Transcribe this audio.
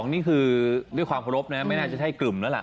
๒๐๒นี่คือด้วยความโพรบนะครับไม่น่าจะใช่กลุ่มแล้วล่ะ